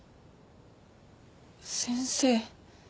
先生。